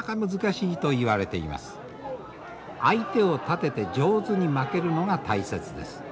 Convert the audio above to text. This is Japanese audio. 相手を立てて上手に負けるのが大切です。